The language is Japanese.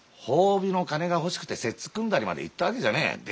褒美の金が欲しくて摂津くんだりまで行ったわけじゃねえ。